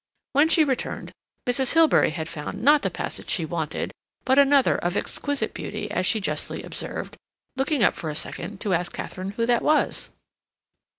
When she returned, Mrs. Hilbery had found not the passage she wanted, but another of exquisite beauty as she justly observed, looking up for a second to ask Katharine who that was?